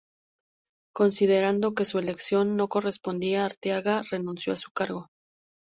Considerando que su elección no correspondía, Arteaga renunció a su cargo.